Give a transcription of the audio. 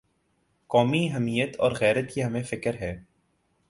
قومی حمیت اور غیرت کی ہمیں فکر ہے۔